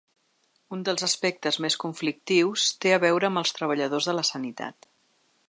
Un dels aspectes més conflictius té a veure amb els treballadors de la sanitat.